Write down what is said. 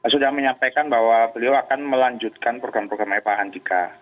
sudah menyampaikan bahwa beliau akan melanjutkan program programnya pak andika